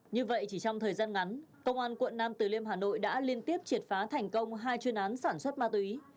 như vậy chỉ trong thời gian ngắn công an quận nam từ liêm hà nội đã liên tiếp triệt phá thành công hai chuyên án sản xuất ma túy